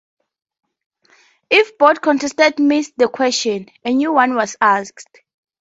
If both contestants missed the question, a new one was asked.